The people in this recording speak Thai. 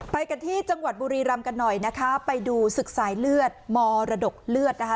ไปกันที่จังหวัดบุรีรำกันหน่อยนะคะไปดูศึกสายเลือดมรดกเลือดนะคะ